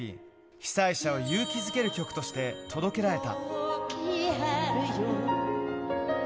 被災者を勇気づける曲として届けられた。